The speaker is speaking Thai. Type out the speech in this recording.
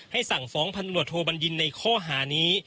สั่งฟ้องพันตรวจโทบัญญินในข้อหานี้